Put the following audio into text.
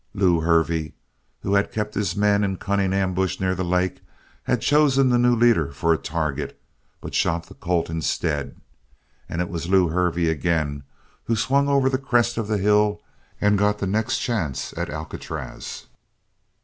Lew Hervey, who had kept his men in cunning ambush near the lake, had chosen the new leader for a target but shot the colt instead. And it was Lew Hervey, again, who swung over the crest of the hill and got the next chance at Alcatraz.